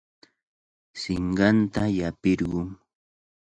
Sinqanta llapirqun.